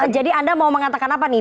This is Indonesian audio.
jadi anda mau mengatakan apa nih